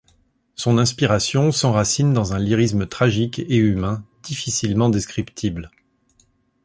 Son inspiration s'enracine dans un lyrisme tragique et humain difficilement descriptible.